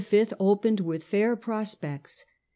opened with fair prospects.